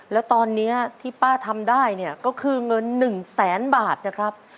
แล้วตอนนี้ที่ป้าทำได้เนี่ยก็คือเงิน๑แสนบาทนะครับ